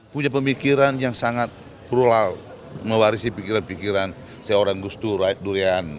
punya pemikiran yang sangat plural mewarisi pikiran pikiran seorang gustu raid durian